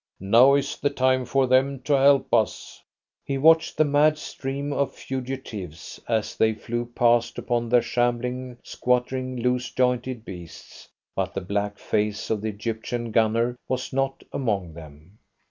Now is the time for them to help us." He watched the mad stream of fugitives as they flew past upon their shambling, squattering, loose jointed beasts, but the black face of the Egyptian gunner was not among them.